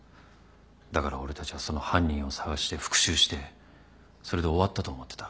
だから俺たちはその犯人を捜して復讐してそれで終わったと思ってた。